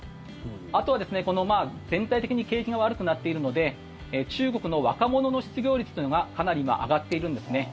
あとは、全体的に景気が悪くなっているので中国の若者の失業率というのがかなり今、上がっているんです。